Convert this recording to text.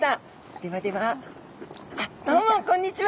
ではではどうもこんにちは。